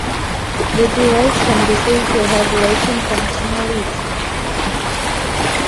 The device can be said to have latching functionality.